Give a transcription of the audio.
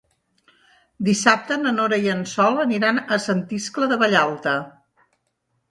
Dissabte na Nora i en Sol aniran a Sant Iscle de Vallalta.